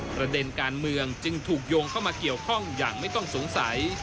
ประเด็นการเมืองจึงถูกโยงเข้ามาเกี่ยวข้องอย่างไม่ต้องสงสัย